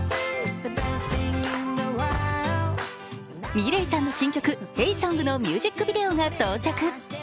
ｍｉｌｅｔさんの新曲「ＨｅｙＳｏｎｇ」のミュージックビデオが到着。